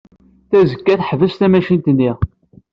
Tazekka teḥbes tamacint-nni.